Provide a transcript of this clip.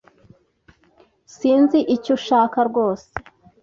Sinzi icyo ushaka rwose.